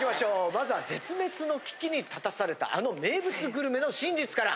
まずは絶滅の危機に立たされたあの名物グルメの真実から。